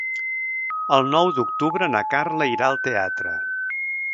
El nou d'octubre na Carla irà al teatre.